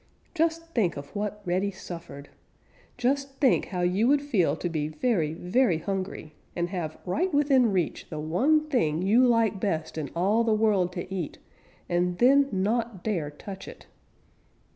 Just think of what Reddy suffered. Just think how you would feel to be very, very hungry and have right within reach the one thing you like best in all the world to eat and then not dare touch it.